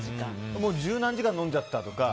十何時間、飲んじゃったとか。